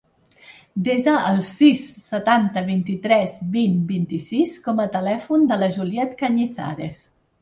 Desa el sis, setanta, vint-i-tres, vint, vint-i-sis com a telèfon de la Juliette Cañizares.